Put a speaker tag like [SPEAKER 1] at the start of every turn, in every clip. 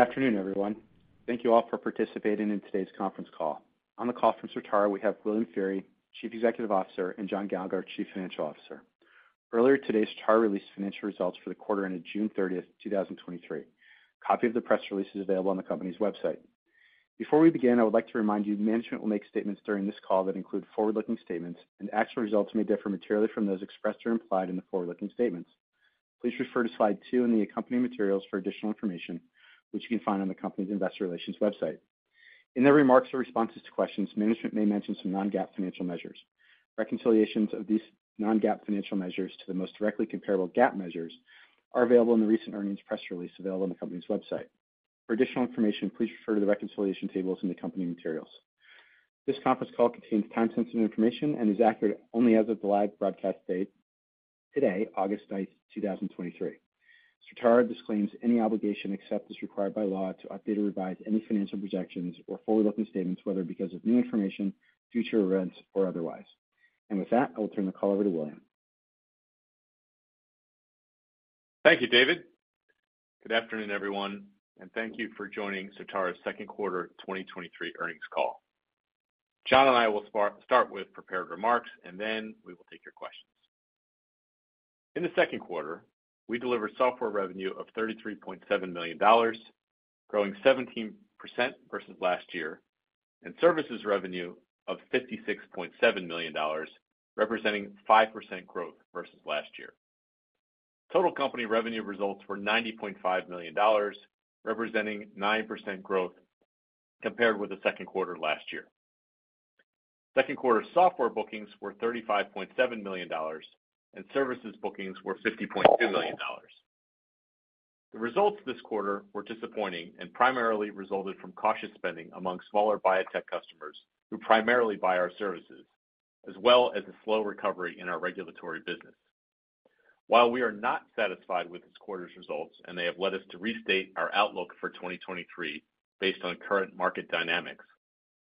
[SPEAKER 1] Afternoon, everyone. Thank you all for participating in today's conference call. On the call from Certara, we have William Feehery, Chief Executive Officer, and John Gallagher, Chief Financial Officer. Earlier today, Certara released financial results for the quarter ended June 30, 2023. A copy of the press release is available on the company's website. Before we begin, I would like to remind you, management will make statements during this call that include forward-looking statements, and actual results may differ materially from those expressed or implied in the forward-looking statements. Please refer to slide 2 in the accompanying materials for additional information, which you can find on the company's investor relations website. In their remarks or responses to questions, management may mention some non-GAAP financial measures. Reconciliations of these non-GAAP financial measures to the most directly comparable GAAP measures are available in the recent earnings press release available on the company's website. For additional information, please refer to the reconciliation tables in the accompanying materials. This conference call contains time-sensitive information and is accurate only as of the live broadcast date today, August 9th, 2023. Certara disclaims any obligation, except as required by law, to update or revise any financial projections or forward-looking statements, whether because of new information, future events, or otherwise. With that, I'll turn the call over to William.
[SPEAKER 2] Thank you, David. Good afternoon, everyone, and thank you for joining Certara's 2nd quarter 2023 earnings call. John and I will start with prepared remarks, and then we will take your questions. In the 2nd quarter, we delivered software revenue of $33.7 million, growing 17% versus last year, and services revenue of $56.7 million, representing 5% growth versus last year. Total company revenue results were $90.5 million, representing 9% growth compared with the 2nd quarter last year. 2nd quarter software bookings were $35.7 million, and services bookings were $50.2 million. The results this quarter were disappointing and primarily resulted from cautious spending among smaller biotech customers who primarily buy our services, as well as a slow recovery in our regulatory business. While we are not satisfied with this quarter's results, and they have led us to restate our outlook for 2023 based on current market dynamics,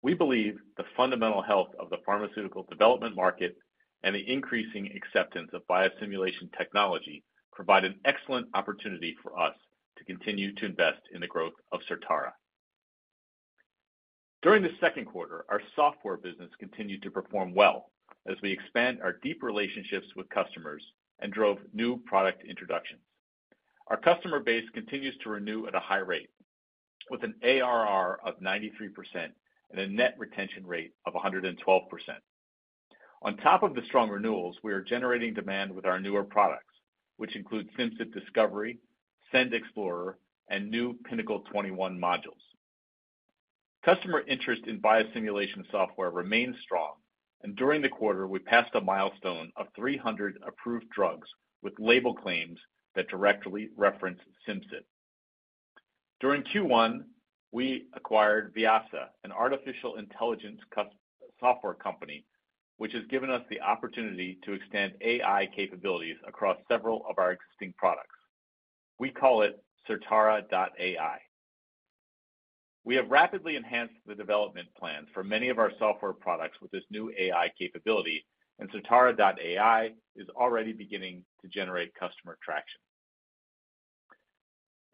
[SPEAKER 2] we believe the fundamental health of the pharmaceutical development market and the increasing acceptance of biosimulation technology provide an excellent opportunity for us to continue to invest in the growth of Certara. During the second quarter, our software business continued to perform well as we expand our deep relationships with customers and drove new product introductions. Our customer base continues to renew at a high rate, with an ARR of 93% and a net retention rate of 112%. On top of the strong renewals, we are generating demand with our newer products, which include Simcyp Discovery, SEND Explorer, and new Pinnacle 21 modules. Customer interest in biosimulation software remains strong, and during the quarter, we passed a milestone of 300 approved drugs with label claims that directly reference Simcyp. During Q1, we acquired Vyasa, an artificial intelligence software company, which has given us the opportunity to extend AI capabilities across several of our existing products. We call it Certara.AI. We have rapidly enhanced the development plans for many of our software products with this new AI capability, and Certara.AI is already beginning to generate customer traction.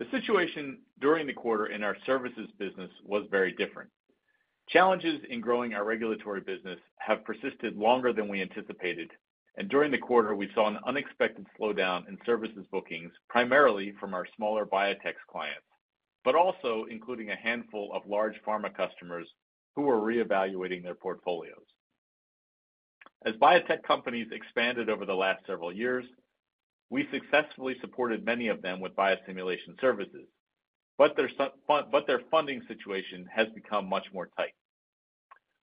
[SPEAKER 2] The situation during the quarter in our services business was very different. Challenges in growing our regulatory business have persisted longer than we anticipated, and during the quarter, we saw an unexpected slowdown in services bookings, primarily from our smaller biotech clients, but also including a handful of large pharma customers who are reevaluating their portfolios. As biotech companies expanded over the last several years, we successfully supported many of them with biosimulation services, their funding situation has become much more tight.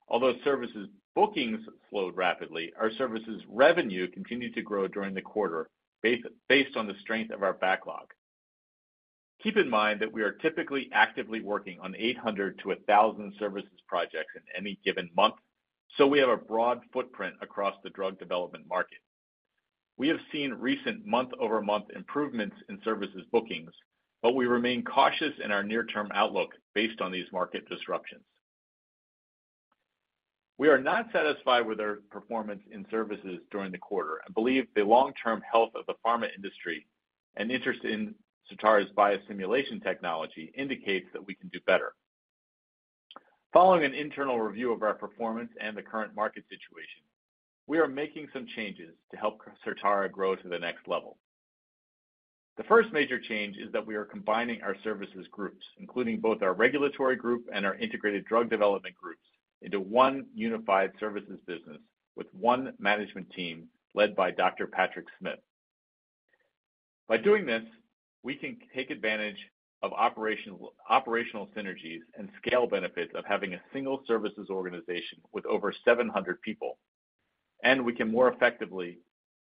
[SPEAKER 2] Although services bookings slowed rapidly, our services revenue continued to grow during the quarter base, based on the strength of our backlog. Keep in mind that we are typically actively working on 800 to 1,000 services projects in any given month, so we have a broad footprint across the drug development market. We have seen recent month-over-month improvements in services bookings, we remain cautious in our near-term outlook based on these market disruptions. We are not satisfied with our performance in services during the quarter and believe the long-term health of the pharma industry and interest in Certara's biosimulation technology indicates that we can do better. Following an internal review of our performance and the current market situation, we are making some changes to help Certara grow to the next level. The first major change is that we are combining our services groups, including both our regulatory group and our Integrated Drug Development groups, into one unified services business with one management team led by Dr. Patrick Smith. By doing this, we can take advantage of operational synergies and scale benefits of having a single services organization with over 700 people, and we can more effectively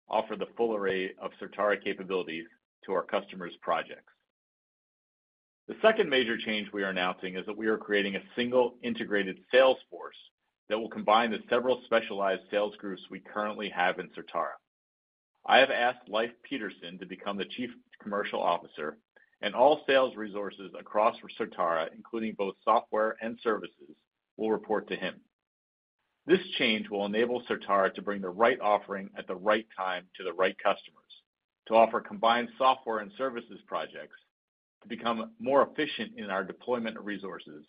[SPEAKER 2] offer the full array of Certara capabilities to our customers' projects. The second major change we are announcing is that we are creating a single integrated sales force that will combine the several specialized sales groups we currently have in Certara. I have asked Leif Pedersen to become the Chief Commercial Officer, and all sales resources across Certara, including both software and services, will report to him. This change will enable Certara to bring the right offering at the right time to the right customers, to offer combined software and services projects, to become more efficient in our deployment of resources,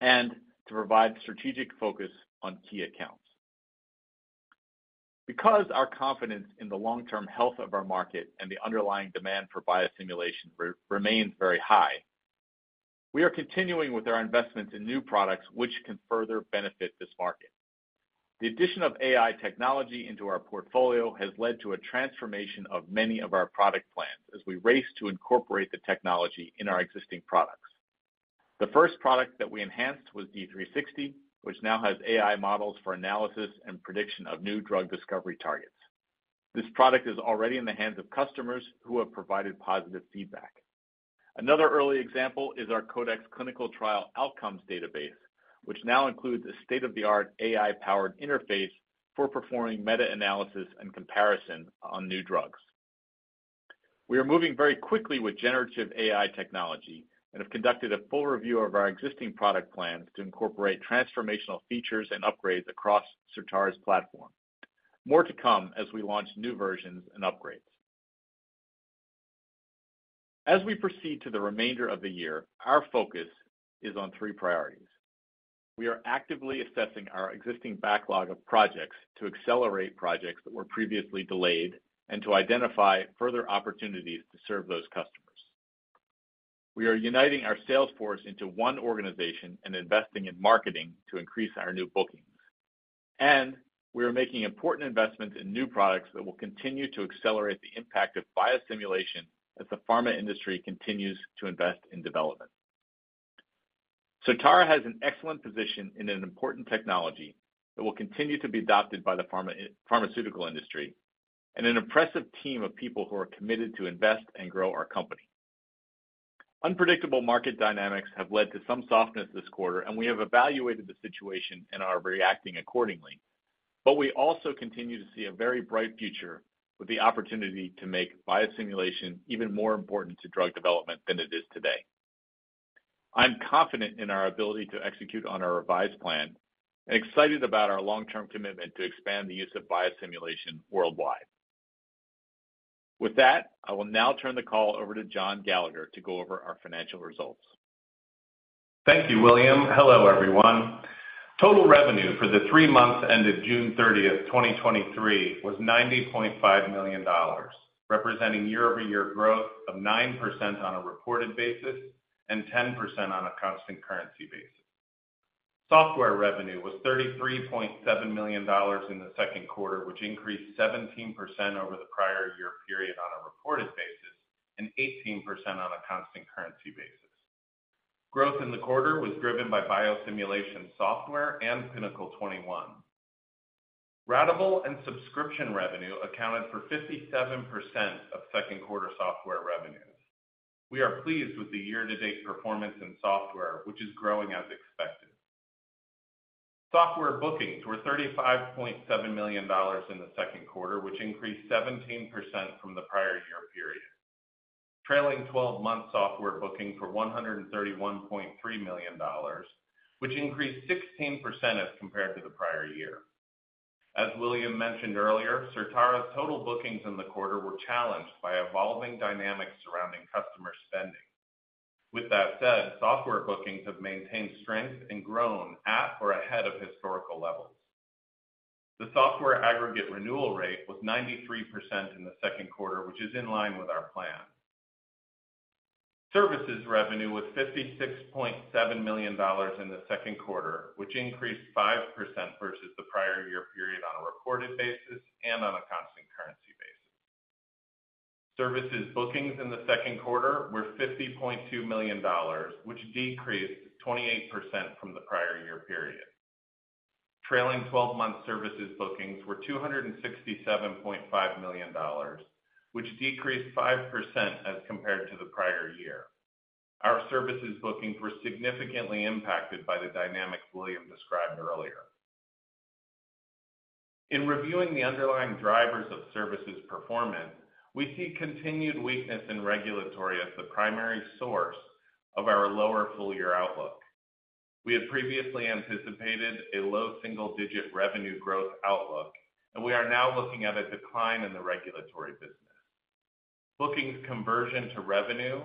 [SPEAKER 2] and to provide strategic focus on key accounts. Because our confidence in the long-term health of our market and the underlying demand for biosimulation remains very high, we are continuing with our investments in new products, which can further benefit this market. The addition of AI technology into our portfolio has led to a transformation of many of our product plans as we race to incorporate the technology in our existing products. The first product that we enhanced was D360, which now has AI models for analysis and prediction of new drug discovery targets. This product is already in the hands of customers who have provided positive feedback. Another early example is our CoDEx Clinical Trial Outcomes Database, which now includes a state-of-the-art AI-powered interface for performing meta-analysis and comparison on new drugs. We are moving very quickly with generative AI technology and have conducted a full review of our existing product plans to incorporate transformational features and upgrades across Certara's platform. More to come as we launch new versions and upgrades. As we proceed to the remainder of the year, our focus is on three priorities. We are actively assessing our existing backlog of projects to accelerate projects that were previously delayed, and to identify further opportunities to serve those customers. We are uniting our sales force into one organization and investing in marketing to increase our new bookings. We are making important investments in new products that will continue to accelerate the impact of biosimulation as the pharma industry continues to invest in development. Certara has an excellent position in an important technology that will continue to be adopted by the pharma, pharmaceutical industry, and an impressive team of people who are committed to invest and grow our company. Unpredictable market dynamics have led to some softness this quarter, we have evaluated the situation and are reacting accordingly. We also continue to see a very bright future with the opportunity to make biosimulation even more important to drug development than it is today. I'm confident in our ability to execute on our revised plan and excited about our long-term commitment to expand the use of biosimulation worldwide. With that, I will now turn the call over to John Gallagher to go over our financial results.
[SPEAKER 3] Thank you, William. Hello, everyone. Total revenue for the three months ended June 30, 2023, was $90.5 million, representing year-over-year growth of 9% on a reported basis and 10% on a constant currency basis. Software revenue was $33.7 million in the second quarter, which increased 17% over the prior year period on a reported basis and 18% on a constant currency basis. Growth in the quarter was driven by biosimulation software and Pinnacle 21. Ratable and subscription revenue accounted for 57% of second quarter software revenues. We are pleased with the year-to-date performance in software, which is growing as expected. Software bookings were $35.7 million in the second quarter, which increased 17% from the prior year period. Trailing twelve-month software booking for $131.3 million, which increased 16% as compared to the prior year. As William mentioned earlier, Certara's total bookings in the quarter were challenged by evolving dynamics surrounding customer spending. With that said, software bookings have maintained strength and grown at or ahead of historical levels. The software aggregate renewal rate was 93% in the second quarter, which is in line with our plan. Services revenue was $56.7 million in the second quarter, which increased 5% versus the prior year period on a reported basis and on a constant currency basis. Services bookings in the second quarter were $50.2 million, which decreased 28% from the prior year period. Trailing twelve-month services bookings were $267.5 million, which decreased 5% as compared to the prior year. Our services bookings were significantly impacted by the dynamics William described earlier. In reviewing the underlying drivers of services performance, we see continued weakness in regulatory as the primary source of our lower full-year outlook. We had previously anticipated a low single-digit revenue growth outlook, and we are now looking at a decline in the regulatory business. Bookings conversion to revenue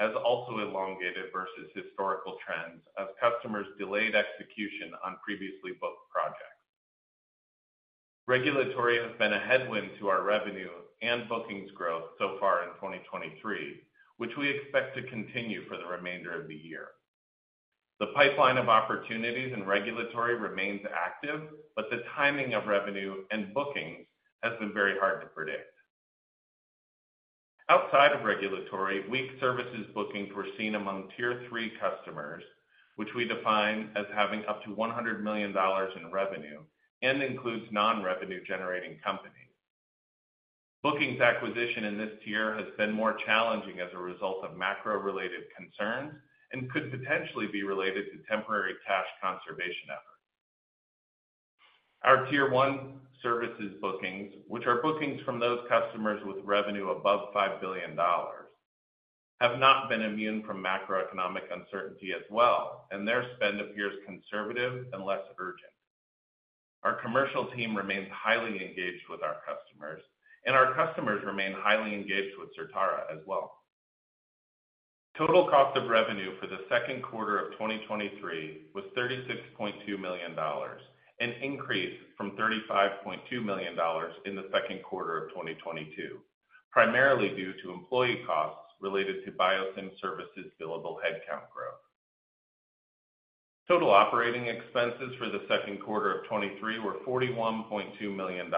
[SPEAKER 3] has also elongated versus historical trends as customers delayed execution on previously booked projects. Regulatory has been a headwind to our revenue and bookings growth so far in 2023, which we expect to continue for the remainder of the year. The pipeline of opportunities in regulatory remains active, but the timing of revenue and bookings has been very hard to predict. Outside of regulatory, weak services bookings were seen among Tier 3 customers, which we define as having up to 100 million in revenue and includes non-revenue generating companies. Bookings acquisition in this tier has been more challenging as a result of macro-related concerns and could potentially be related to temporary cash conservation efforts. Our Tier 1 services bookings, which are bookings from those customers with revenue above $5 billion have not been immune from macroeconomic uncertainty as well, and their spend appears conservative and less urgent. Our commercial team remains highly engaged with our customers, and our customers remain highly engaged with Certara as well. Total cost of revenue for the second quarter of 2023 was $36.2 million, an increase from $35.2 million in the second quarter of 2022, primarily due to employee costs related to biosim services billable headcount growth. Total operating expenses for the second quarter of 2023 were $41.2 million,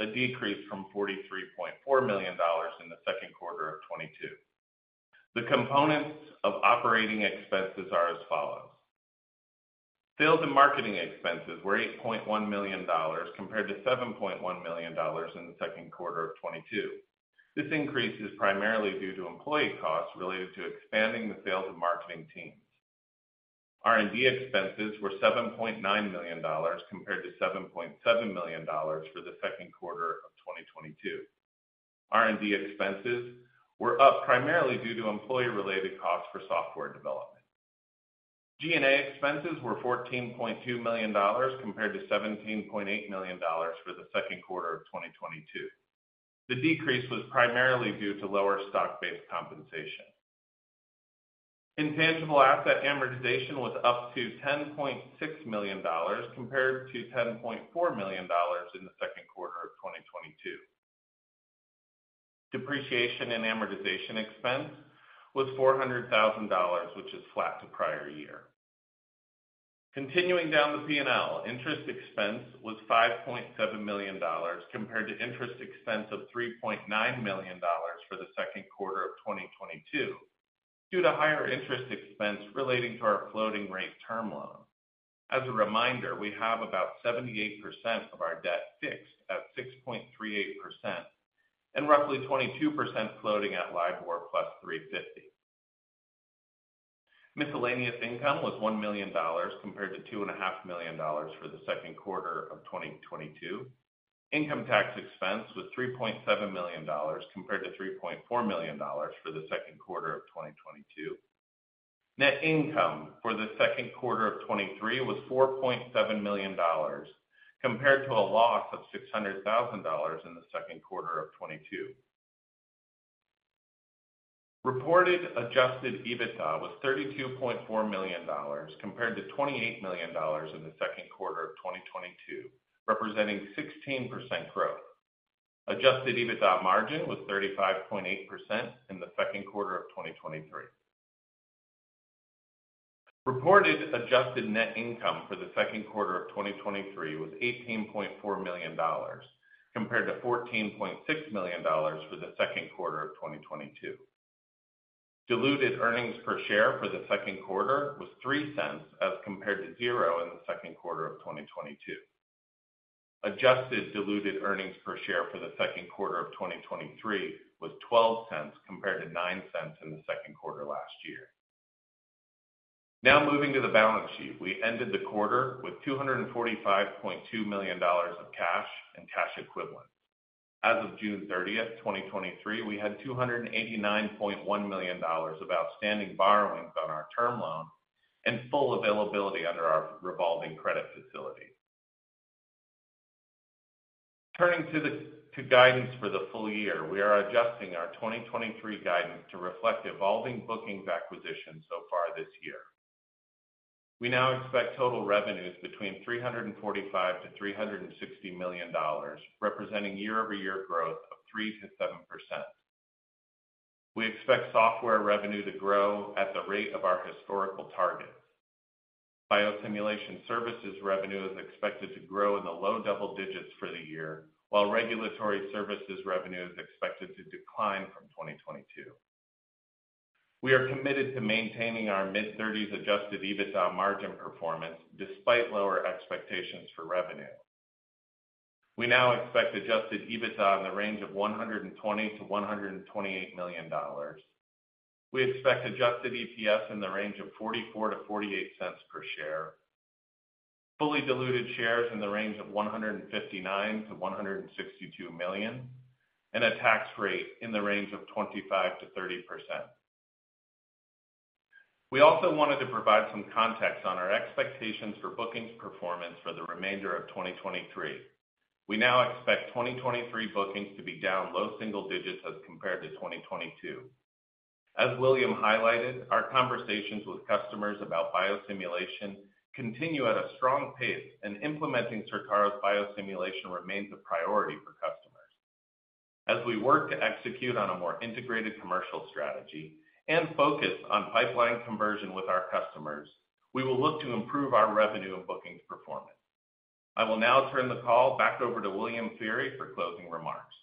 [SPEAKER 3] a decrease from $43.4 million in the second quarter of 2022. The components of operating expenses are as follows: sales and marketing expenses were $8.1 million, compared to $7.1 million in the second quarter of 2022. This increase is primarily due to employee costs related to expanding the sales and marketing teams. R&D expenses were $7.9 million, compared to $7.7 million for the second quarter of 2022. R&D expenses were up primarily due to employee-related costs for software development. G&A expenses were $14.2 million, compared to $17.8 million for the second quarter of 2022. The decrease was primarily due to lower stock-based compensation. Intangible asset amortization was up to $10.6 million, compared to $10.4 million in the second quarter of 2022. Depreciation and amortization expense was $400,000, which is flat to prior year. Continuing down the P&L, interest expense was $5.7 million, compared to interest expense of $3.9 million for the second quarter of 2022, due to higher interest expense relating to our floating rate term loan. As a reminder, we have about 78% of our debt fixed at 6.38% and roughly 22% floating at LIBOR +350. Miscellaneous income was $1 million, compared to $2.5 million for the second quarter of 2022. Income tax expense was $3.7 million, compared to $3.4 million for the second quarter of 2022. Net income for the second quarter of 2023 was $4.7 million, compared to a loss of $600,000 in the second quarter of 2022. Reported adjusted EBITDA was $32.4 million, compared to $28 million in the second quarter of 2022, representing 16% growth. Adjusted EBITDA margin was 35.8% in the second quarter of 2023. Reported adjusted net income for the second quarter of 2023 was $18.4 million, compared to $14.6 million for the second quarter of 2022. Diluted earnings per share for the second quarter was $0.03, as compared to 0 in the second quarter of 2022. Adjusted diluted earnings per share for the second quarter of 2023 was $0.12, compared to $0.09 in the second quarter last year. Now moving to the balance sheet. We ended the quarter with $245.2 million of cash and cash equivalents. As of June 30th, 2023, we had $289.1 million of outstanding borrowings on our term loan and full availability under our revolving credit facility. Turning to the, to guidance for the full year, we are adjusting our 2023 guidance to reflect evolving bookings acquisitions so far this year. We now expect total revenues between $345 million-$360 million, representing year-over-year growth of 3%-7%. We expect software revenue to grow at the rate of our historical targets. Biosimulation services revenue is expected to grow in the low double digits for the year, while regulatory services revenue is expected to decline from 2022. We are committed to maintaining our mid-thirties adjusted EBITDA margin performance despite lower expectations for revenue. We now expect adjusted EBITDA in the range of $120 million-$128 million. We expect adjusted EPS in the range of $0.44-$0.48 per share, fully diluted shares in the range of 159 million-162 million, and a tax rate in the range of 25%-30%. We also wanted to provide some context on our expectations for bookings performance for the remainder of 2023. We now expect 2023 bookings to be down low single digits as compared to 2022. As William highlighted, our conversations with customers about biosimulation continue at a strong pace, and implementing Certara's biosimulation remains a priority for customers. As we work to execute on a more integrated commercial strategy and focus on pipeline conversion with our customers, we will look to improve our revenue and bookings performance. I will now turn the call back over to William Feehery for closing remarks.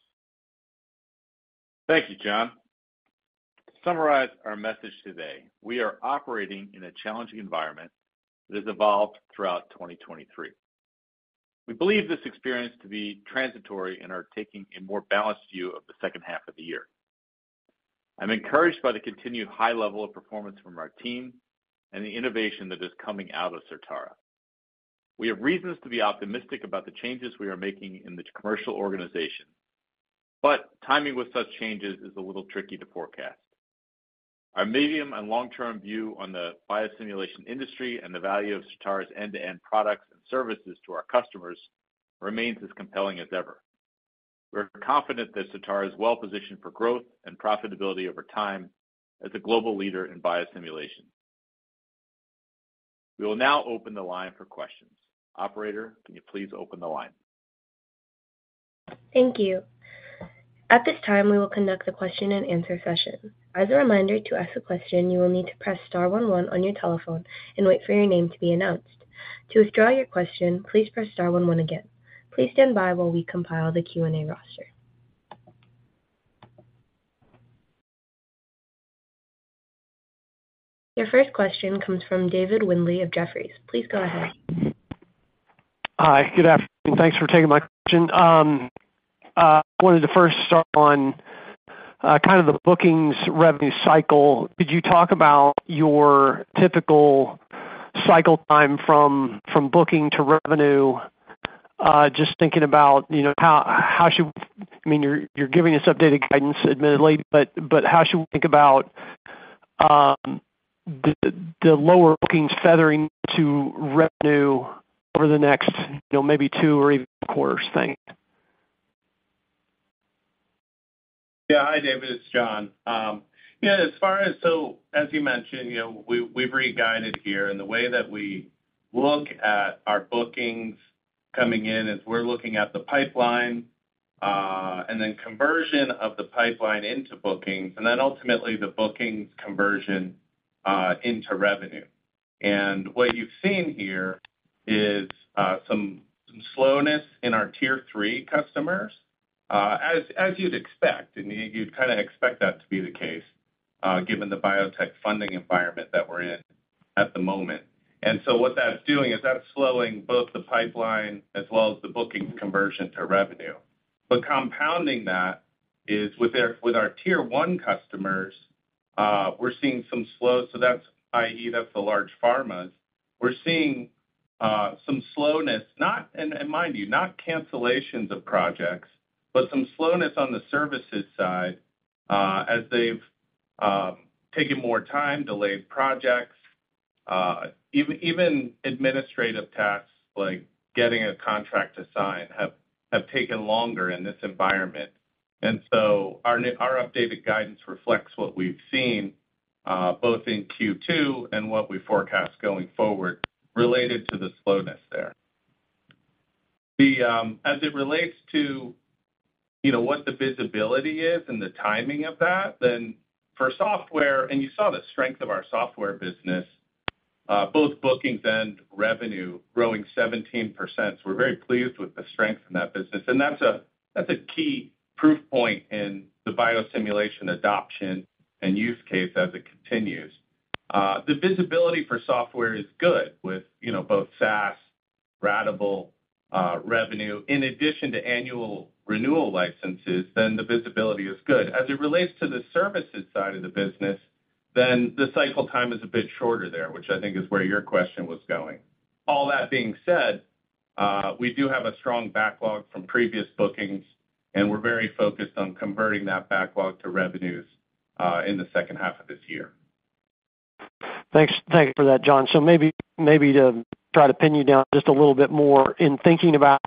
[SPEAKER 2] Thank you, John. To summarize our message today, we are operating in a challenging environment that has evolved throughout 2023. We believe this experience to be transitory and are taking a more balanced view of the second half of the year. I'm encouraged by the continued high level of performance from our team and the innovation that is coming out of Certara. We have reasons to be optimistic about the changes we are making in the commercial organization, but timing with such changes is a little tricky to forecast. Our medium and long-term view on the biosimulation industry and the value of Certara's end-to-end products and services to our customers remains as compelling as ever. We're confident that Certara is well-positioned for growth and profitability over time as a global leader in biosimulation. We will now open the line for questions. Operator, can you please open the line?
[SPEAKER 1] Thank you. At this time, we will conduct the question-and-answer session. As a reminder, to ask a question, you will need to press star 11 on your telephone and wait for your name to be announced. To withdraw your question, please press star one one again. Please stand by while we compile the Q&A roster. Your first question comes from David Windley of Jefferies. Please go ahead.
[SPEAKER 4] Hi, good afternoon. Thanks for taking my question. wanted to first start on kind of the bookings revenue cycle. Could you talk about your typical cycle time from booking to revenue? just thinking about, you know, how should -- I mean, you're giving us updated guidance, admittedly, but how should we think about the lower bookings feathering to revenue over the next, you know, maybe two or even quarters? Thanks.
[SPEAKER 3] Yeah. Hi, David, it's John. Yeah, as far as so, as you mentioned, you know, we've, we've reguided here, and the way that we look at our bookings coming in is we're looking at the pipeline, and then conversion of the pipeline into bookings, and then ultimately the bookings conversion into revenue. What you've seen here is some, some slowness in our Tier 3 customers, as, as you'd expect, and you'd kind of expect that to be the case, given the biotech funding environment that we're in at the moment. What that's doing is that's slowing both the pipeline as well as the booking conversion to revenue. Compounding that is with our, with our Tier 1 customers, we're seeing some slow, so that's, i.e., that's the large pharmas. We're seeing, some slowness, not, and mind you, not cancellations of projects, but some slowness on the services side, as they've, taken more time, delayed projects, even, even administrative tasks, like getting a contract to sign, taken longer in this environment. So our updated guidance reflects what we've seen, both in Q2 and what we forecast going forward related to the slowness there. As it relates to, you know, what the visibility is and the timing of that, then for software, and you saw the strength of our software business, both bookings and revenue growing 17%. We're very pleased with the strength in that business, and that's a key proof point in the biosimulation adoption and use case as it continues. The visibility for software is good with, you know, both SaaS, ratable revenue, in addition to annual renewal licenses, then the visibility is good. As it relates to the services side of the business, then the cycle time is a bit shorter there, which I think is where your question was going. All that being said, we do have a strong backlog from previous bookings, and we're very focused on converting that backlog to revenues in the second half of this year.
[SPEAKER 4] Thanks. Thank you for that, John. Maybe, maybe to try to pin you down just a little bit more, in thinking about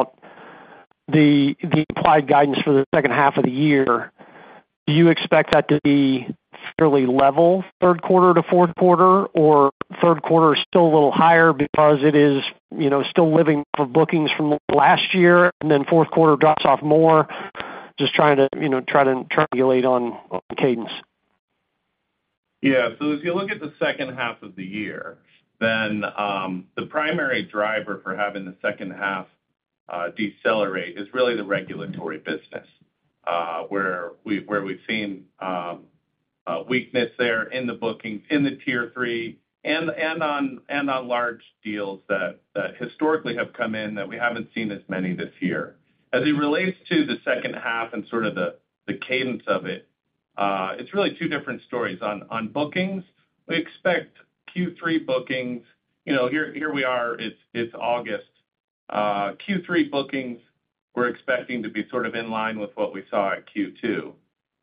[SPEAKER 4] the, the applied guidance for the second half of the year, do you expect that to be fairly level third quarter to fourth quarter, or third quarter is still a little higher because it is, you know, still living for bookings from last year and then fourth quarter drops off more? Just trying to, you know, try to triangulate on, on cadence.
[SPEAKER 3] If you look at the second half of the year, the primary driver for having the second half decelerate is really the regulatory business, where we've seen weakness there in the bookings, in the Tier 3 and on large deals that historically have come in that we haven't seen as many this year. As it relates to the second half and sort of the cadence of it, it's really two different stories. On bookings, we expect Q3 bookings, you know, here we are, it's August. Q3 bookings, we're expecting to be sort of in line with what we saw at Q2.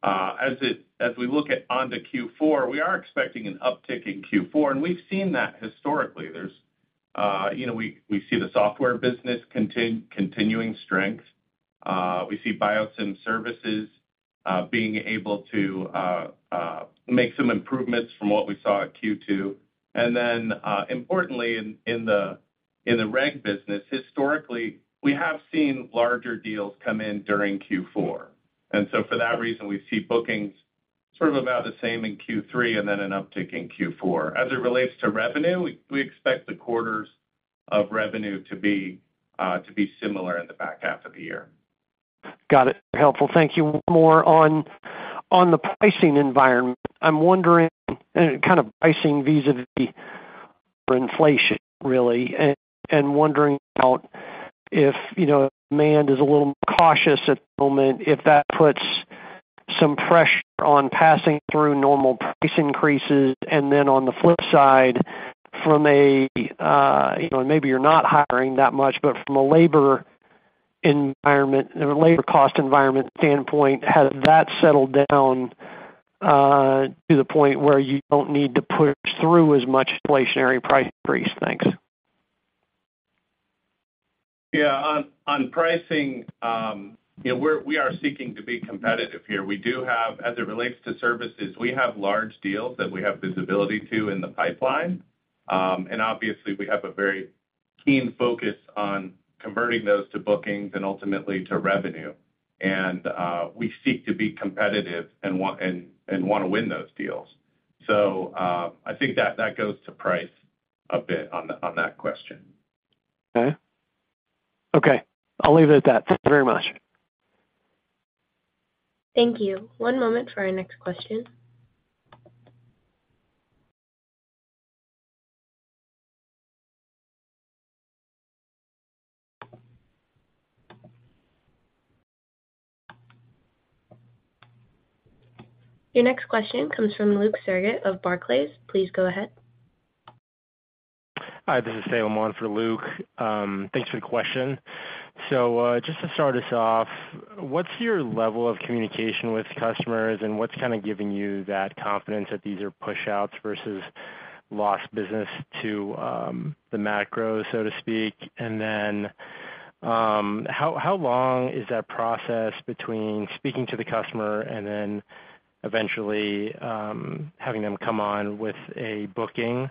[SPEAKER 3] As we look on to Q4, we are expecting an uptick in Q4, and we've seen that historically. There's, you know, we, we see the software business continuing strength. We see biosim services being able to make some improvements from what we saw at Q2. Importantly, in the reg business, historically, we have seen larger deals come in during Q4. For that reason, we see bookings sort of about the same in Q3 and then an uptick in Q4. As it relates to revenue, we expect the quarters of revenue to be similar in the back half of the year.
[SPEAKER 4] Got it. Helpful. Thank you. More on, on the pricing environment. I'm wondering, kind of pricing vis-a-vis for inflation, really, and, and wondering about if, you know, demand is a little more cautious at the moment, if that puts some pressure on passing through normal price increases, and then on the flip side, from a, you know, maybe you're not hiring that much, but from a labor environment, a labor cost environment standpoint, has that settled down to the point where you don't need to push through as much inflationary price increase? Thanks.
[SPEAKER 3] Yeah. On, on pricing, you know, we're, we are seeking to be competitive here. We do have, as it relates to services, we have large deals that we have visibility to in the pipeline. Obviously, we have a very keen focus on converting those to bookings and ultimately to revenue. We seek to be competitive and want, and, and want to win those deals. I think that goes to price a bit on, on that question.
[SPEAKER 4] Okay. Okay, I'll leave it at that. Thank you very much.
[SPEAKER 1] Thank you. One moment for our next question. Your next question comes from Luke Sergott of Barclays. Please go ahead.
[SPEAKER 5] Hi, this is Faye Owen for Luke. Thanks for the question. Just to start us off, what's your level of communication with customers, and what's kind of giving you that confidence that these are pushouts versus lost business to the macro, so to speak? How, how long is that process between speaking to the customer and then eventually, having them come on with a booking?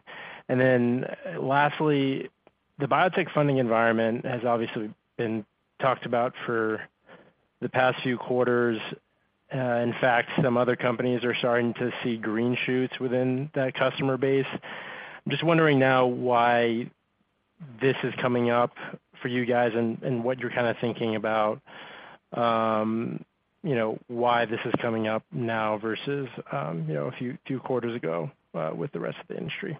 [SPEAKER 5] Lastly, the biotech funding environment has obviously been talked about for the past few quarters. In fact, some other companies are starting to see green shoots within that customer base. I'm just wondering now why this is coming up for you guys and, and what you're kind of thinking about, you know, why this is coming up now versus, you know, a few quarters ago, with the rest of the industry?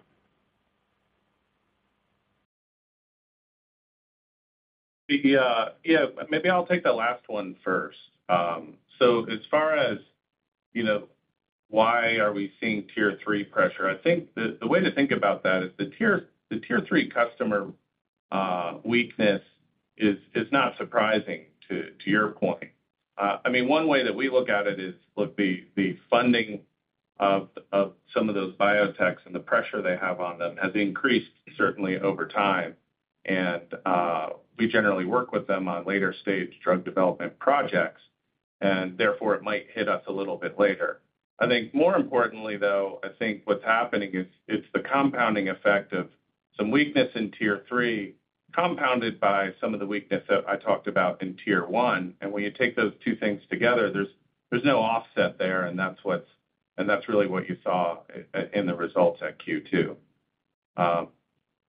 [SPEAKER 3] Yeah, yeah. Maybe I'll take that last one first. As far as, you know, why are we seeing Tier 3 pressure? I think the, the way to think about that is the Tier, the Tier 3 customer, weakness is, is not surprising, to, to your point. I mean one way that we look at it is, look, the, the funding of, of some of those biotechs and the pressure they have on them has increased certainly over time, and, we generally work with them on later-stage drug development projects, and therefore it might hit us a little bit later. I think more importantly, though, I think what's happening is it's the compounding effect of some weakness in Tier 3, compounded by some of the weakness that I talked about in Tier 1. When you take those two things together, there's no offset there, and that's what's and that's really what you saw in the results at Q2.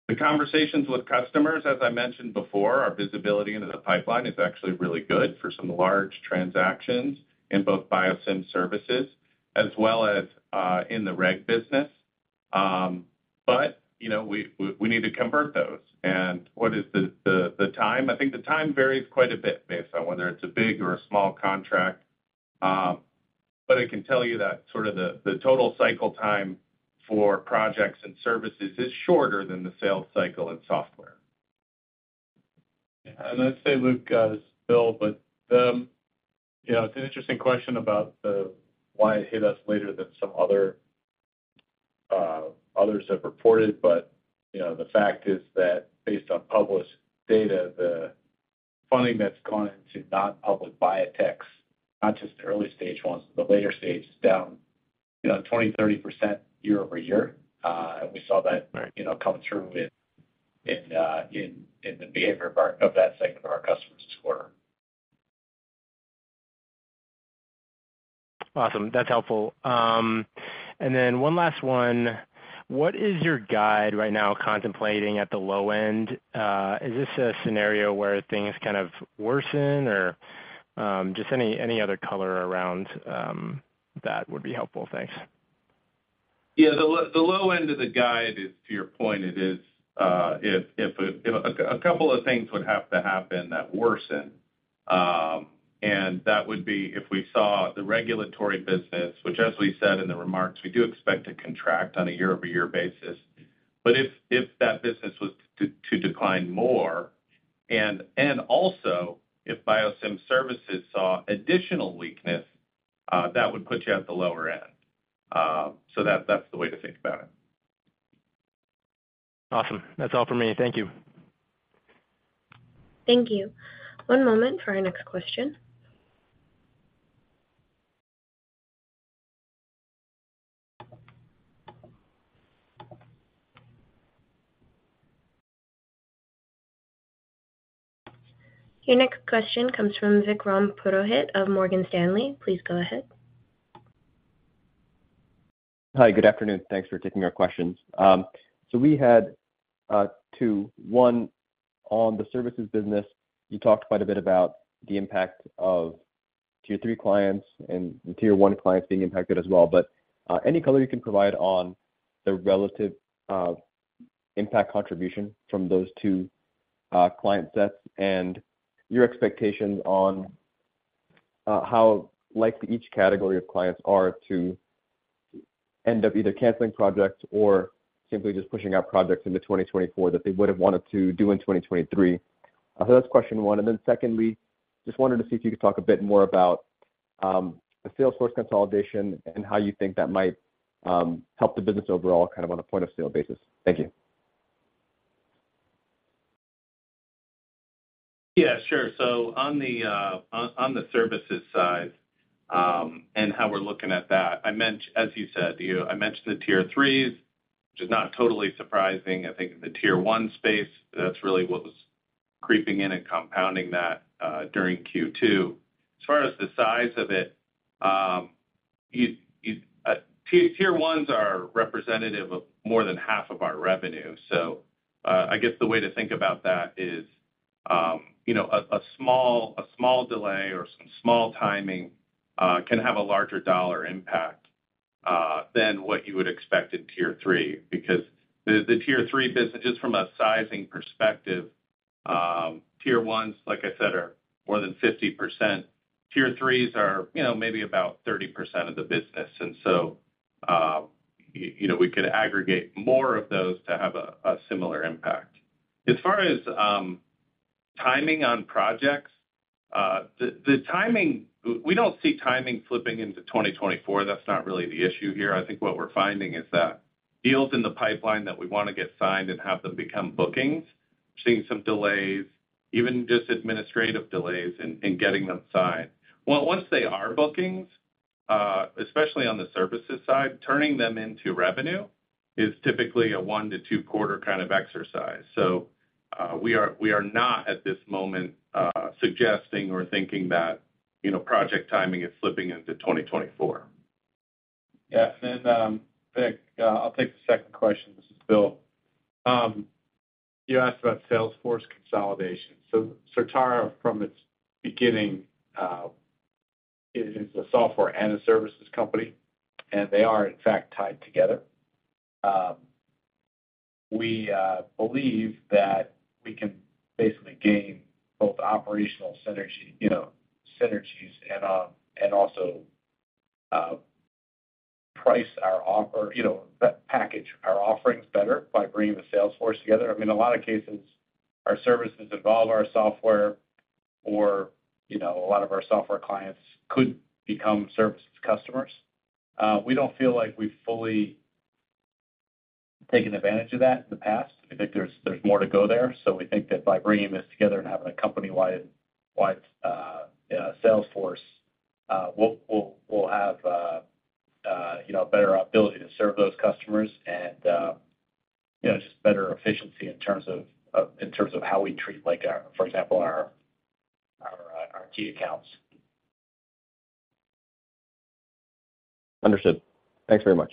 [SPEAKER 3] The conversations with customers, as I mentioned before, our visibility into the pipeline is actually really good for some large transactions in both Biosim services as well as in the reg business. But, you know, we need to convert those. What is the time? I think the time varies quite a bit based on whether it's a big or a small contract. But I can tell you that sort of the total cycle time for projects and services is shorter than the sales cycle and software.
[SPEAKER 2] I'd say, Luke, this is Bill, you know, it's an interesting question about the why it hit us later than some other, others have reported. You know, the fact is that based on published data, the funding that's gone into not public biotechs, not just the early-stage ones, the later stage, is down, you know, 20%, 30% year-over-year. We saw that, you know, come through in, in, in the behavior part of that segment of our customers as well.
[SPEAKER 5] Awesome. That's helpful. Then one last one. What is your guide right now contemplating at the low end? Is this a scenario where things kind of worsen or, just any, any other color around, that would be helpful. Thanks.
[SPEAKER 3] Yeah, the low end of the guide is to your point, it is, if a couple of things would have to happen that worsen. That would be if we saw the regulatory business, which as we said in the remarks, we do expect to contract on a year-over-year basis. If that business was to decline more and also if Biosim services saw additional weakness, that would put you at the lower end. So that's the way to think about it.
[SPEAKER 5] Awesome. That's all for me. Thank you.
[SPEAKER 1] Thank you. One moment for our next question. Your next question comes from Vikram Purohit of Morgan Stanley. Please go ahead.
[SPEAKER 6] Hi, good afternoon. Thanks for taking our questions. We had 2. 1, on the services business, you talked quite a bit about the impact of Tier 3 clients and the Tier 1 clients being impacted as well. Any color you can provide on the relative... ...impact contribution from those two client sets and your expectations on how likely each category of clients are to end up either canceling projects or simply just pushing out projects into 2024 that they would have wanted to do in 2023. That's question one. Secondly, just wanted to see if you could talk a bit more about the Salesforce consolidation and how you think that might help the business overall, kind of on a point-of-sale basis. Thank you.
[SPEAKER 3] Yeah, sure. On the on on the services side, and how we're looking at that, I meant, as you said, I mentioned the Tier 3s, which is not totally surprising. I think in the Tier 1 space, that's really what was creeping in and compounding that during Q2. As far as the size of it, you Tier 1s are representative of more than half of our revenue. I guess the way to think about that is, you know, a a small a small delay or some small timing can have a larger dollar impact than what you would expect in Tier 3, because the the Tier 3 business, just from a sizing perspective, Tier 1s, like I said, are more than 50%. Tier 3s are, you know, maybe about 30% of the business, so, you know, we could aggregate more of those to have a similar impact. As far as timing on projects, the timing. We don't see timing flipping into 2024. That's not really the issue here. I think what we're finding is that deals in the pipeline that we want to get signed and have them become bookings, seeing some delays, even just administrative delays in getting them signed. Once they are bookings, especially on the services side, turning them into revenue is typically a one to two-quarter kind of exercise. We are, we are not, at this moment, suggesting or thinking that, you know, project timing is slipping into 2024. Yeah, Vic, I'll take the second question. This is Bill. You asked about Salesforce consolidation. Certara, from its beginning, is a software and a services company, and they are, in fact, tied together. We believe that we can basically gain both operational synergy, you know, synergies and, and also, price our offer, you know, package our offerings better by bringing the sales force together. I mean, a lot of cases, our services involve our software, or, you know, a lot of our software clients could become services customers. We don't feel like we've fully taken advantage of that in the past. I think there's, there's more to go there. We think that by bringing this together and having a company-wide sales force, we'll, we'll, we'll have, you know, a better ability to serve those customers and, you know, just better efficiency in terms of, in terms of how we treat, like, our, for example, our, our, our key accounts.
[SPEAKER 6] Understood. Thanks very much.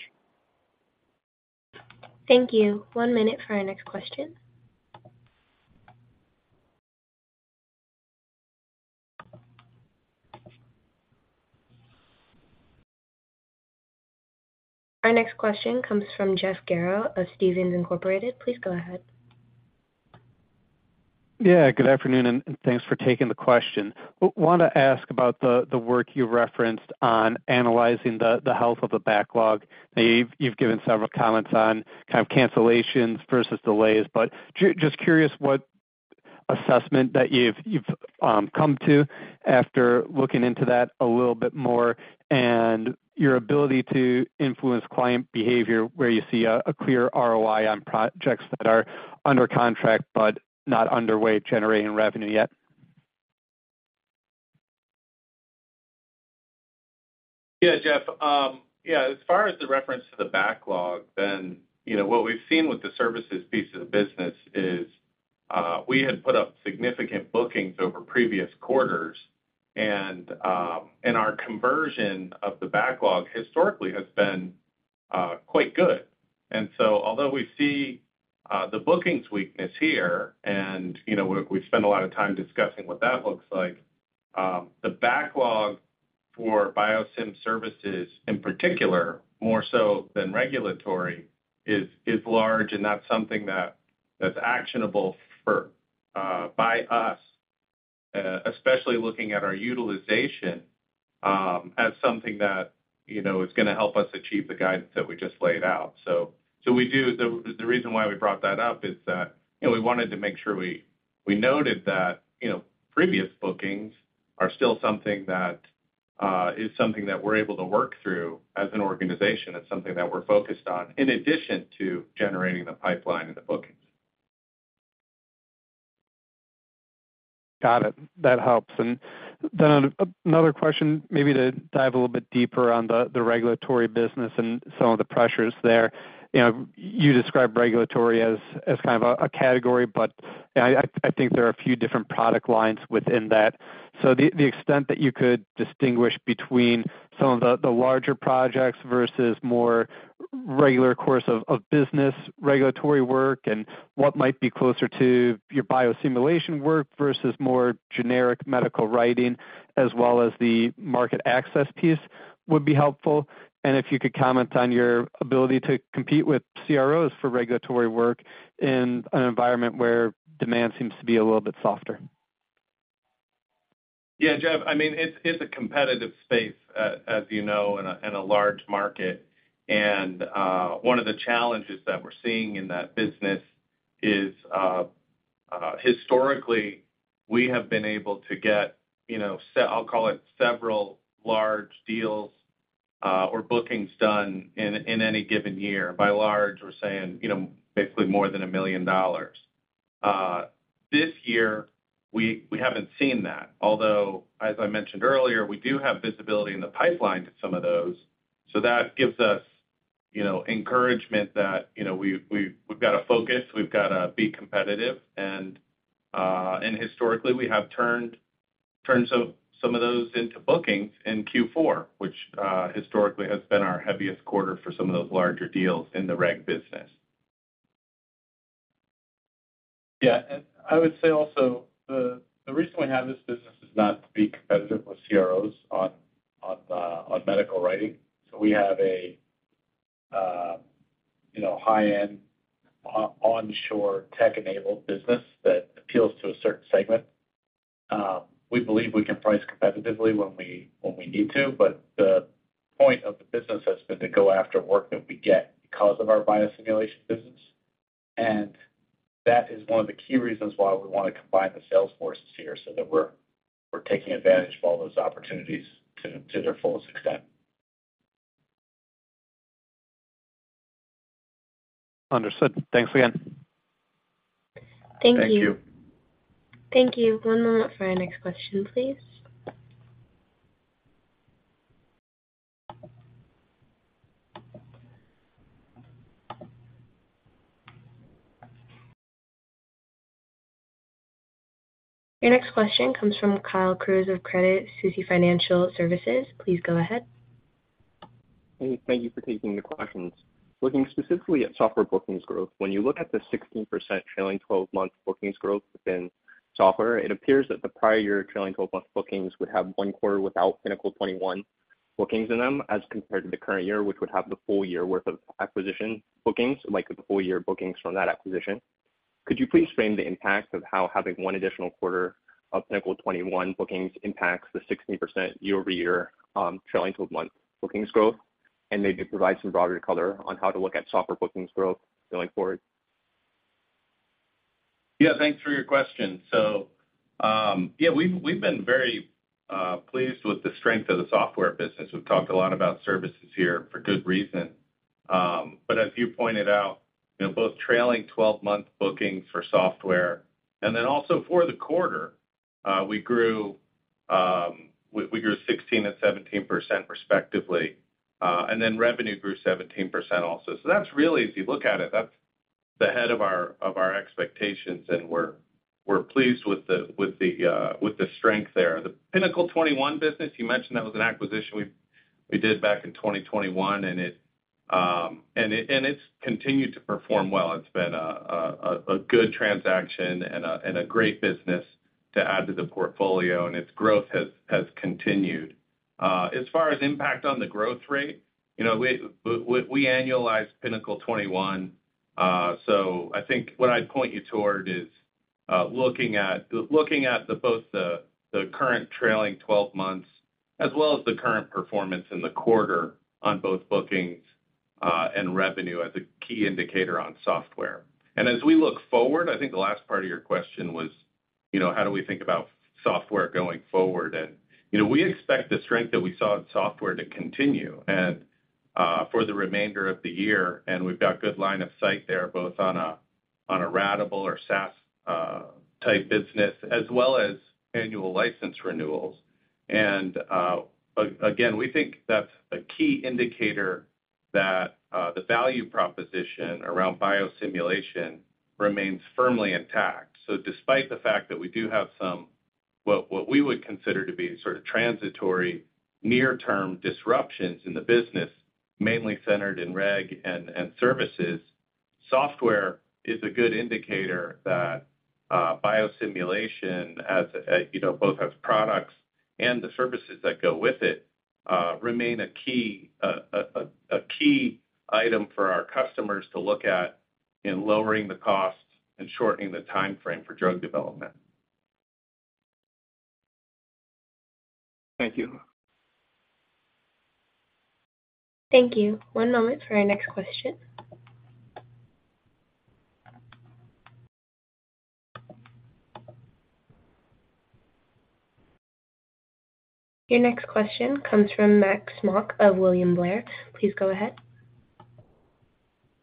[SPEAKER 1] Thank you. One minute for our next question. Our next question comes from Jeff Garro of Stephens Inc. Please go ahead.
[SPEAKER 7] Yeah, good afternoon, and thanks for taking the question. Want to ask about the, the work you referenced on analyzing the, the health of the backlog. Now, you've, you've given several comments on kind of cancellations versus delays, but just curious what assessment that you've, you've come to after looking into that a little bit more and your ability to influence client behavior, where you see a, a clear ROI on projects that are under contract but not underway generating revenue yet?
[SPEAKER 3] Yeah, Jeff. Yeah, as far as the reference to the backlog, then, you know, what we've seen with the services piece of the business is, we had put up significant bookings over previous quarters, and our conversion of the backlog historically has been quite good. Although we see the bookings weakness here, and, you know, we, we spend a lot of time discussing what that looks like, the backlog for biosim services, in particular, more so than regulatory, is large and not something that, that's actionable for by us, especially looking at our utilization, as something that, you know, is gonna help us achieve the guidance that we just laid out. We do... The reason why we brought that up is that, you know, we wanted to make sure we, we noted that, you know, previous bookings are still something that is something that we're able to work through as an organization. It's something that we're focused on, in addition to generating the pipeline and the bookings.
[SPEAKER 7] Got it. That helps. Then another question, maybe to dive a little bit deeper on the, the regulatory business and some of the pressures there. You know, you described regulatory as, as kind of a, a category, but I, I, I think there are a few different product lines within that. The, the extent that you could distinguish between some of the, the larger projects versus more regular course of, of business regulatory work and-
[SPEAKER 8] What might be closer to your biosimulation work versus more generic medical writing, as well as the market access piece would be helpful. If you could comment on your ability to compete with CROs for regulatory work in an environment where demand seems to be a little bit softer.
[SPEAKER 3] Yeah, Jeff, I mean, it's, it's a competitive space, as you know, and a, and a large market. One of the challenges that we're seeing in that business is, historically, we have been able to get, you know, I'll call it several large deals, or bookings done in, in any given year. By large, we're saying, you know, basically more than $1 million. This year, we, we haven't seen that, although, as I mentioned earlier, we do have visibility in the pipeline to some of those. That gives us, you know, encouragement that, you know, we've, we've, we've got to focus, we've got to be competitive. Historically, we have turned, turned some, some of those into bookings in Q4, which, historically has been our heaviest quarter for some of those larger deals in the reg business.
[SPEAKER 2] Yeah, I would say also, the reason we have this business is not to be competitive with CROs on medical writing. We have a, you know, high-end, onshore tech-enabled business that appeals to a certain segment. We believe we can price competitively when we, when we need to, but the point of the business has been to go after work that we get because of our biosimulation business. That is one of the key reasons why we want to combine the sales forces here so that we're, we're taking advantage of all those opportunities to, to their fullest extent.
[SPEAKER 7] Understood. Thanks again.
[SPEAKER 3] Thank you.
[SPEAKER 1] Thank you. Thank you. One moment for our next question, please. Your next question comes from Kyle Crews of Credit Suisse Financial Services. Please go ahead.
[SPEAKER 9] Hey, thank you for taking the questions. Looking specifically at software bookings growth, when you look at the 16% trailing twelve-month bookings growth within software, it appears that the prior year trailing twelve-month bookings would have 1 quarter without Pinnacle 21 bookings in them, as compared to the current year, which would have the full year worth of acquisition bookings, like the full year bookings from that acquisition. Could you please frame the impact of how having 1 additional quarter of Pinnacle 21 bookings impacts the 16% year-over-year trailing twelve-month bookings growth, and maybe provide some broader color on how to look at software bookings growth going forward?
[SPEAKER 3] Yeah, thanks for your question. Yeah, we've, we've been very pleased with the strength of the software business. We've talked a lot about services here for good reason. But as you pointed out, you know, both trailing twelve-month bookings for software and then also for the quarter, we grew, we, we grew 16% and 17%, respectively, and then revenue grew 17% also. That's really, if you look at it, that's the head of our, of our expectations, and we're, we're pleased with the, with the strength there. The Pinnacle 21 business, you mentioned that was an acquisition we, we did back in 2021, and it, and it's continued to perform well. It's been a good transaction and a great business to add to the portfolio, and its growth has, has continued. As far as impact on the growth rate, you know, we annualize Pinnacle 21. So I think what I'd point you toward is, looking at, looking at the both the, the current trailing twelve months as well as the current performance in the quarter on both bookings and revenue as a key indicator on software. As we look forward, I think the last part of your question was, you know, how do we think about software going forward? You know, we expect the strength that we saw in software to continue and for the remainder of the year, and we've got good line of sight there, both on a, on a ratable or SaaS type business, as well as annual license renewals. Again, we think that's a key indicator that the value proposition around biosimulation remains firmly intact. Despite the fact that we do have some, what, what we would consider to be sort of transitory, near-term disruptions in the business, mainly centered in reg and, and services, software is a good indicator that biosimulation, as, you know, both as products and the services that go with it, remain a key, a, a, a key item for our customers to look at in lowering the cost and shortening the timeframe for drug development.
[SPEAKER 9] Thank you.
[SPEAKER 1] Thank you. One moment for our next question. Your next question comes from Max Smock of William Blair. Please go ahead.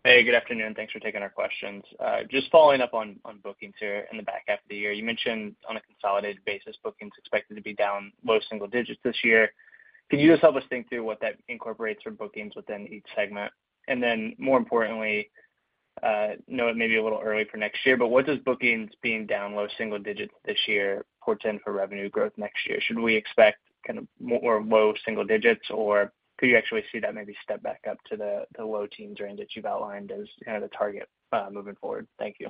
[SPEAKER 8] Hey, good afternoon. Thanks for taking our questions. Just following up on, on bookings here in the back half of the year. You mentioned on a consolidated basis, bookings expected to be down low single digits this year. Could you just help us think through what that incorporates for bookings within each segment? More importantly, know it may be a little early for next year, but what does bookings being down low single digits this year portend for revenue growth next year? Should we expect kind of more low single digits, or could you actually see that maybe step back up to the, the low teens range that you've outlined as kind of the target moving forward? Thank you.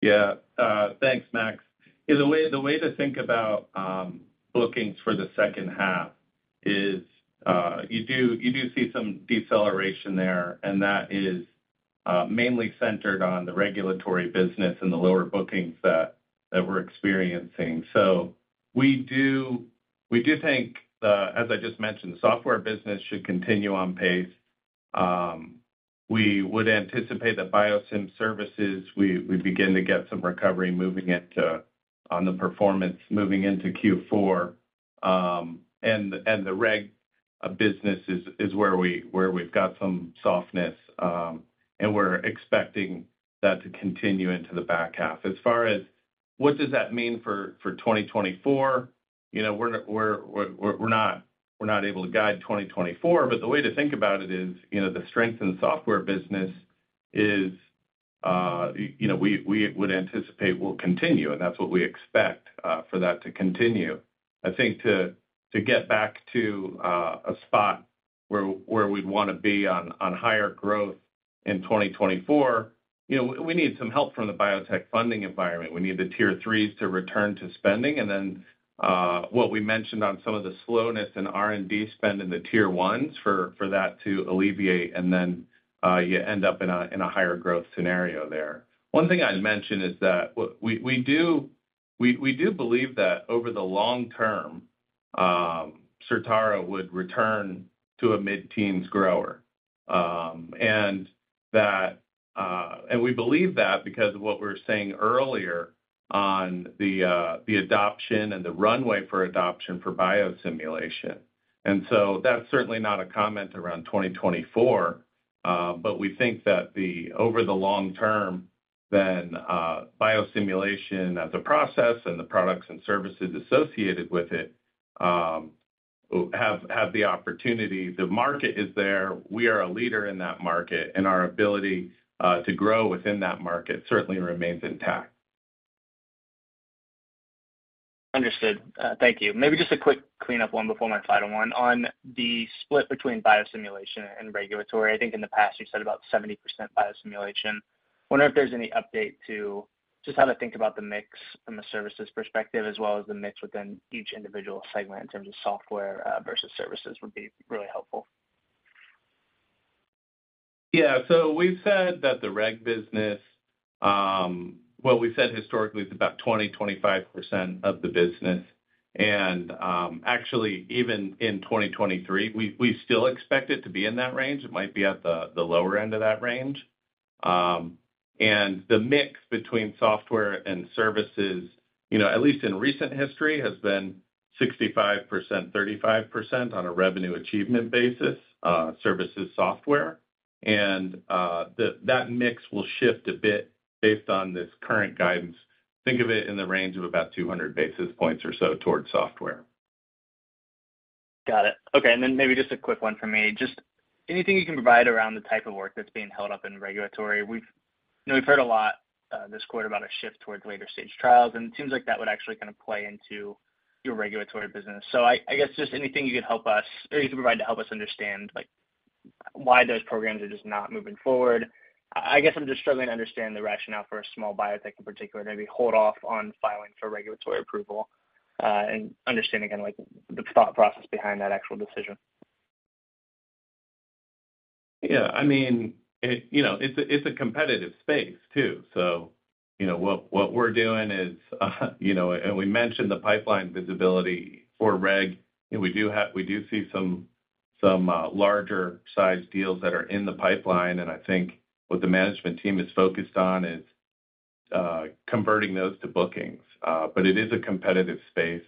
[SPEAKER 3] Yeah, thanks, Max. Yeah, the way, the way to think about bookings for the second half is, you do, you do see some deceleration there, and that is mainly centered on the regulatory business and the lower bookings that, that we're experiencing. We do, we do think as I just mentioned, the software business should continue on pace. We would anticipate that Biosim services, we, we begin to get some recovery moving into, on the performance, moving into Q4. And the reg business is where we, where we've got some softness, and we're expecting that to continue into the back half. As far as what does that mean for 2024? You know, we're, we're, we're, we're not, we're not able to guide 2024, but the way to think about it is, you know, the strength in the software business is, you know, we, we would anticipate will continue, and that's what we expect for that to continue. I think to, to get back to a spot where, where we'd want to be on, on higher growth in 2024, you know, we need some help from the biotech funding environment. We need the Tier 3s to return to spending and then, what we mentioned on some of the slowness in R&D spend in the Tier 1s for, for that to alleviate, and then, you end up in a, in a higher growth scenario there. One thing I'd mention is that what... We, we do, we, we do believe that over the long term, Certara would return to a mid-teens grower. We believe that because of what we were saying earlier on the adoption and the runway for adoption for biosimulation. That's certainly not a comment around 2024, but we think that the, over the long term, then, biosimulation, the process and the products and services associated with it, have, have the opportunity. The market is there, we are a leader in that market, and our ability to grow within that market certainly remains intact.
[SPEAKER 8] Understood. Thank you. Maybe just a quick cleanup one before my final one. On the split between biosimulation and regulatory, I think in the past you said about 70% biosimulation. I wonder if there's any update to just how to think about the mix from a services perspective, as well as the mix within each individual segment in terms of software, versus services, would be really helpful.
[SPEAKER 3] Yeah. We've said that the reg business, well, we said historically it's about 20%-25% of the business. Actually, even in 2023, we, we still expect it to be in that range. It might be at the, the lower end of that range. The mix between software and services, you know, at least in recent history, has been 65%, 35% on a revenue achievement basis, services, software. The, that mix will shift a bit based on this current guidance. Think of it in the range of about 200 basis points or so towards software.
[SPEAKER 8] Got it. Okay, maybe just a quick one from me. Just anything you can provide around the type of work that's being held up in regulatory? We've, you know, we've heard a lot this quarter about a shift towards later-stage trials, and it seems like that would actually kind of play into your regulatory business. I, I guess just anything you could help us or you can provide to help us understand, like, why those programs are just not moving forward. I, I guess I'm just struggling to understand the rationale for a small biotech in particular, maybe hold off on filing for regulatory approval, and understanding again, like, the thought process behind that actual decision.
[SPEAKER 3] Yeah, I mean, it, you know, it's a, it's a competitive space too. You know, what, what we're doing is, you know, and we mentioned the pipeline visibility for reg, and we do see some, some larger-sized deals that are in the pipeline, and I think what the management team is focused on is converting those to bookings. It is a competitive space,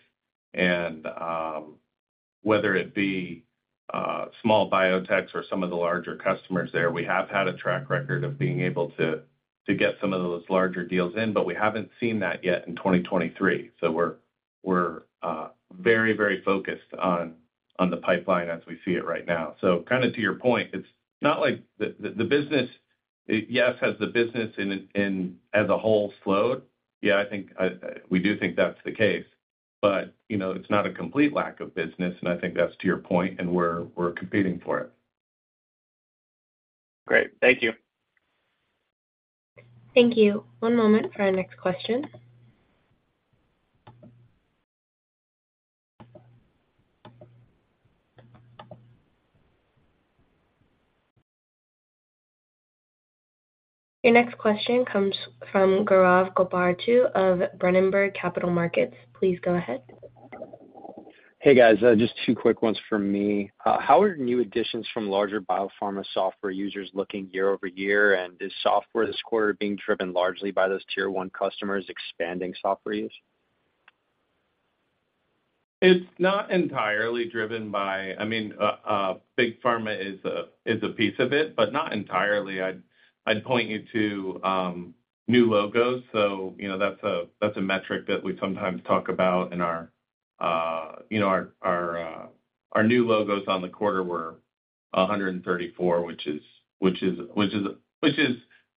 [SPEAKER 3] and whether it be small biotechs or some of the larger customers there, we have had a track record of being able to, to get some of those larger deals in, but we haven't seen that yet in 2023. We're, we're very, very focused on, on the pipeline as we see it right now. Kind of to your point, it's not like the, the, the business, yes, has the business in, in as a whole slowed? Yeah, I think, we do think that's the case, but, you know, it's not a complete lack of business, and I think that's to your point, and we're, we're competing for it.
[SPEAKER 8] Great. Thank you.
[SPEAKER 1] Thank you. One moment for our next question. Your next question comes from Gaurav Goparaju of Berenberg Capital Markets. Please go ahead.
[SPEAKER 10] Hey, guys, just two quick ones from me. How are new additions from larger biopharma software users looking year-over-year? Is software this quarter being driven largely by those Tier 1 customers expanding software use?
[SPEAKER 3] It's not entirely driven by... I mean, big pharma is a piece of it, but not entirely. I'd, I'd point you to new logos. You know, that's a metric that we sometimes talk about in our, you know, our new logos on the quarter were 134, which is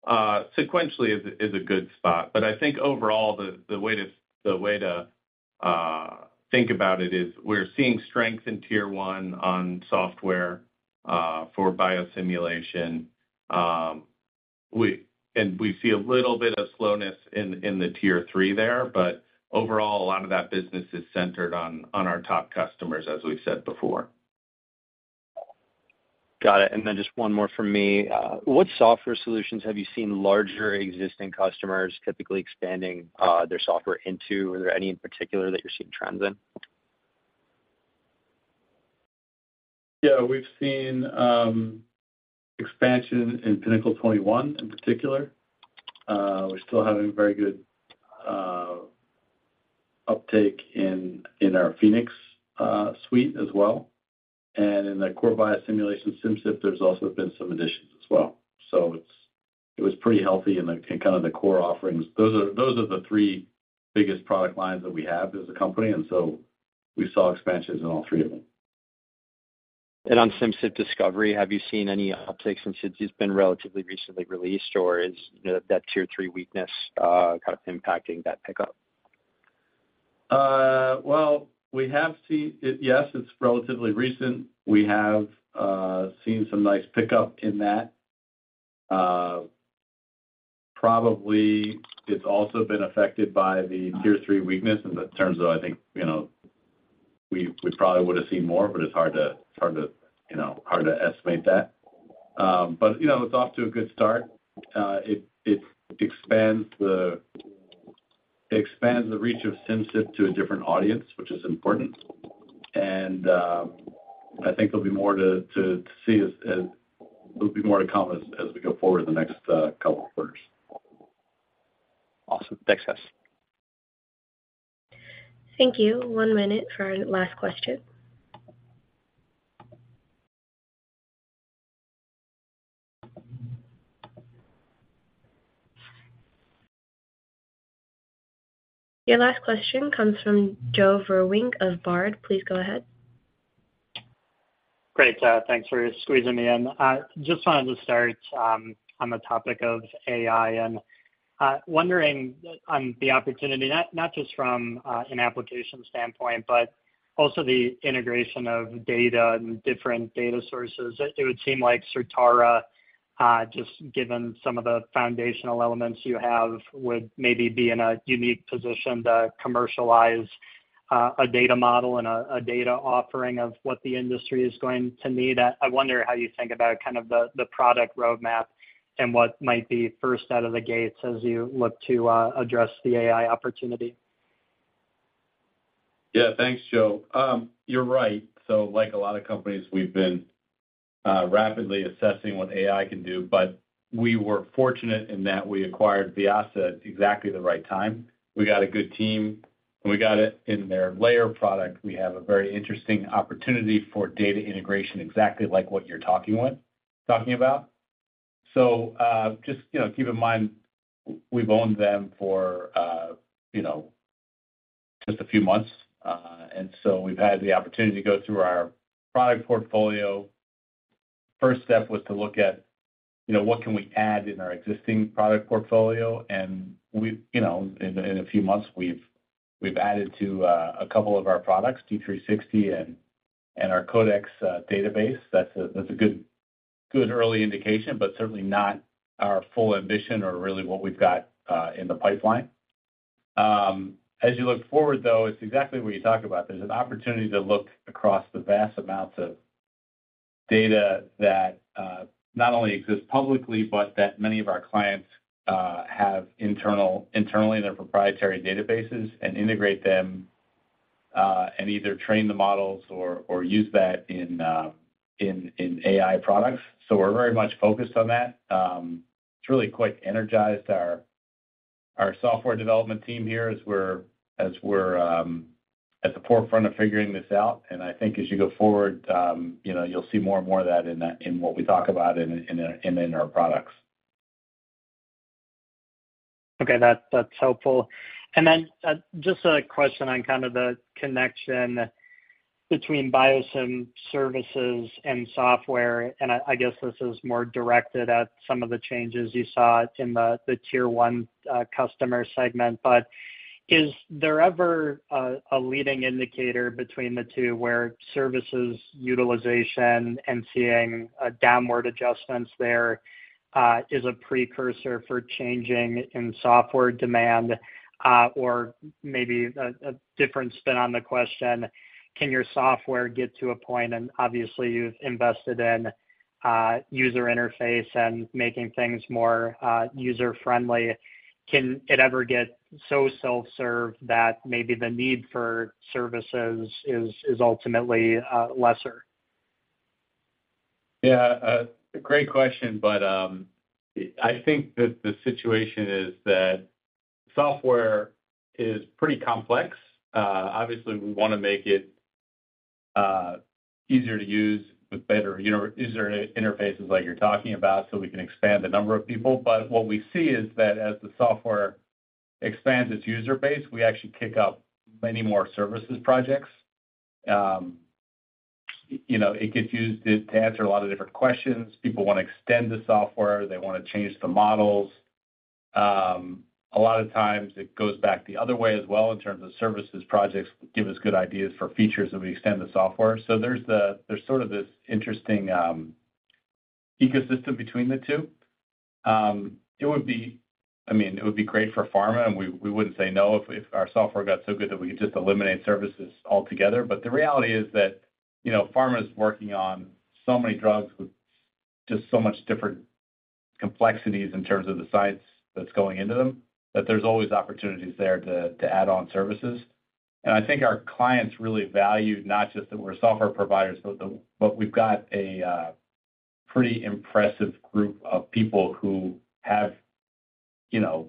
[SPEAKER 3] sequentially is a good spot. I think overall, the way to-... think about it is we're seeing strength in Tier 1 on software, for biosimulation. We see a little bit of slowness in, in the Tier 3 there. Overall, a lot of that business is centered on, on our top customers, as we've said before.
[SPEAKER 10] Got it. Just one more from me. What software solutions have you seen larger existing customers typically expanding, their software into? Are there any in particular that you're seeing trends in?
[SPEAKER 2] Yeah, we've seen expansion in Pinnacle 21 in particular. We're still having very good uptake in, in our Phoenix suite as well. In the core biosimulation, Simcyp, there's also been some additions as well. It's, it was pretty healthy in the, in kind of the core offerings. Those are, those are the three biggest product lines that we have as a company, and so we saw expansions in all three of them.
[SPEAKER 10] On Simcyp Discovery, have you seen any upticks since it's just been relatively recently released, or is, you know, that Tier 3 weakness, kind of impacting that pickup?
[SPEAKER 2] Well, we have seen it. Yes, it's relatively recent. We have seen some nice pickup in that. Probably it's also been affected by the Tier 3 weakness in the terms of, I think, you know, we, we probably would have seen more, but it's hard to, hard to, you know, hard to estimate that. You know, it's off to a good start. It expands the, expands the reach of Simcyp to a different audience, which is important. I think there'll be more to, to, to see as there'll be more to come as we go forward in the next couple of quarters.
[SPEAKER 10] Awesome. Thanks, Jess.
[SPEAKER 1] Thank you. One minute for our last question. Your last question comes from Joe Vruwink of Baird. Please go ahead.
[SPEAKER 11] Great, thanks for squeezing me in. I just wanted to start on the topic of AI and wondering on the opportunity, not, not just from an application standpoint, but also the integration of data and different data sources. It would seem like Certara, just given some of the foundational elements you have, would maybe be in a unique position to commercialize a data model and a data offering of what the industry is going to need. I, I wonder how you think about kind of the product roadmap and what might be first out of the gates as you look to address the AI opportunity.
[SPEAKER 2] Yeah, thanks, Joe. You're right. Like a lot of companies, we've been rapidly assessing what AI can do, but we were fortunate in that we acquired Vyasa at exactly the right time. We got a good team, and we got it in their Layar product. We have a very interesting opportunity for data integration, exactly like what you're talking about. Just, you know, keep in mind, we've owned them for, you know, just a few months, and so we've had the opportunity to go through our product portfolio. First step was to look at, you know, what can we add in our existing product portfolio, and we've, you know, in, in a few months, we've, we've added to a couple of our products, D360 and our CODEX database. That's a, that's a good, good early indication, certainly not our full ambition or really what we've got in the pipeline. As you look forward, though, it's exactly what you talked about. There's an opportunity to look across the vast amounts of data that not only exists publicly, but that many of our clients have internally in their proprietary databases and integrate them and either train the models or, or use that in, in AI products. We're very much focused on that. It's really quite energized our, our software development team here as we're, as we're at the forefront of figuring this out. I think as you go forward, you know, you'll see more and more of that in that, in what we talk about in, in, in our products.
[SPEAKER 11] Okay, that's, that's helpful. Then, just a question on kind of the connection between Biosim services and software, and I, I guess this is more directed at some of the changes you saw in the, the Tier 1 customer segment. Is there ever a, a leading indicator between the two, where services, utilization, and seeing a downward adjustments there, is a precursor for changing in software demand? Or maybe a, a different spin on the question, can your software get to a point, and obviously you've invested in, user interface and making things more, user-friendly, can it ever get so self-serve that maybe the need for services is, is ultimately, lesser?
[SPEAKER 2] Yeah, great question, but, I think that the situation is that software is pretty complex. Obviously, we want to make it easier to use with better user interfaces like you're talking about, so we can expand the number of people. What we see is that as the software expands its user base, we actually pick up many more services projects. You know, it gets used to, to answer a lot of different questions. People want to extend the software, they want to change the models. A lot of times it goes back the other way as well in terms of services. Projects give us good ideas for features, and we extend the software. There's sort of this interesting ecosystem between the two. It would be, I mean, it would be great for pharma, and we, we wouldn't say no if, if our software got so good that we could just eliminate services altogether. The reality is that, you know, pharma is working on so many drugs with just so much different complexities in terms of the science that's going into them, that there's always opportunities there to, to add on services. I think our clients really value not just that we're software providers, but the, but we've got a pretty impressive group of people who have, you know,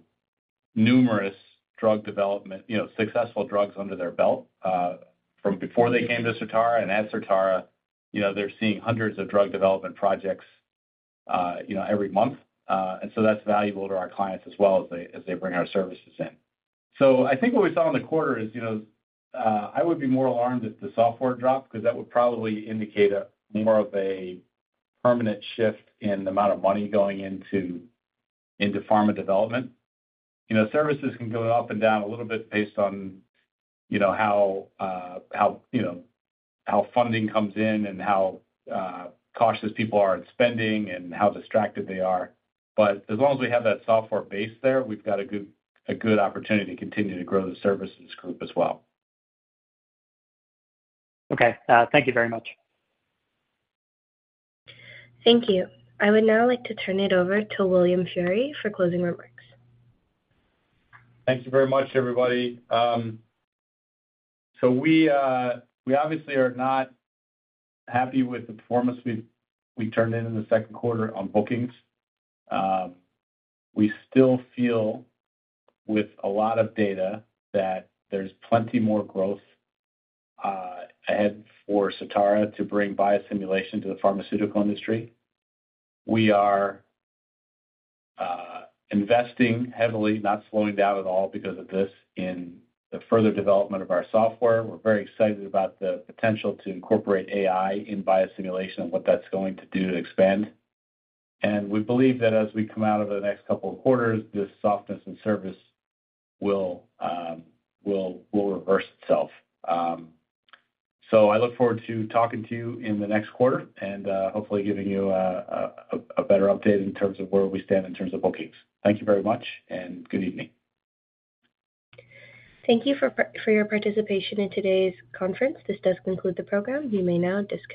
[SPEAKER 2] numerous drug development, you know, successful drugs under their belt from before they came to Certara. At Certara, you know, they're seeing hundreds of drug development projects, you know, every month. That's valuable to our clients as well as they, as they bring our services in. I think what we saw in the quarter is, you know, I would be more alarmed if the software dropped, because that would probably indicate a more of a permanent shift in the amount of money going into, into pharma development. You know, services can go up and down a little bit based on, you know, how, how, you know, how funding comes in and how cautious people are at spending and how distracted they are. As long as we have that software base there, we've got a good, a good opportunity to continue to grow the services group as well. Okay. Thank you very much.
[SPEAKER 1] Thank you. I would now like to turn it over to William Feehery for closing remarks.
[SPEAKER 2] Thank you very much, everybody. We obviously are not happy with the performance we, we turned in in the second quarter on bookings. We still feel with a lot of data that there's plenty more growth ahead for Certara to bring biosimulation to the pharmaceutical industry. We are investing heavily, not slowing down at all because of this, in the further development of our software. We're very excited about the potential to incorporate AI in biosimulation and what that's going to do to expand. We believe that as we come out over the next couple of quarters, this softness in service will, will reverse itself. I look forward to talking to you in the next quarter and hopefully giving you a better update in terms of where we stand in terms of bookings. Thank you very much, and good evening.
[SPEAKER 1] Thank you for your participation in today's conference. This does conclude the program. You may now disconnect.